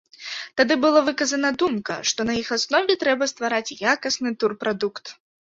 Тады была выказана думка, што на іх аснове трэба ствараць якасны турпрадукт.